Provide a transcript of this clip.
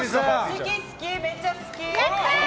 好き好き、めっちゃ好き。